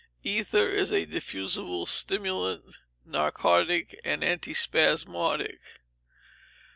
Ether is a diffusible stimulant, narcotic and antispasmodic.